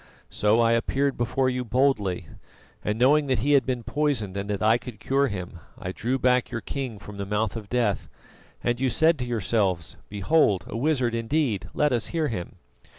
So I appeared before you boldly, and knowing that he had been poisoned and that I could cure him, I drew back your king from the mouth of death, and you said to yourselves: 'Behold a wizard indeed! Let us hear him.